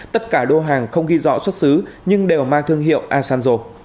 tất cả đô hàng không ghi rõ xuất xứ nhưng đều mang thương hiệu asanzo